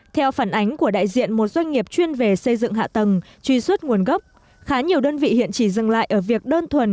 theo phản ánh của đại diện một doanh nghiệp chuyên về xây dựng hạ tầng truy xuất nguồn gốc khá nhiều đơn vị hiện chỉ dừng lại ở việc đơn thuần